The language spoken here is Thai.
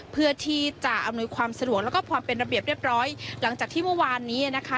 เพื่อที่จะอำนวยความสะดวกแล้วก็ความเป็นระเบียบเรียบร้อยหลังจากที่เมื่อวานนี้นะคะ